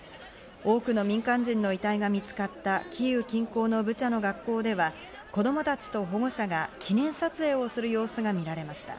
多くの民間人の遺体が見つかったキーウ近郊のブチャの学校では、子供たちと保護者が記念撮影をする様子が見られました。